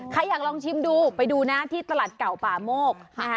ใครอยากลองชิมดูไปดูนะที่ตลาดเก่าป่าโมก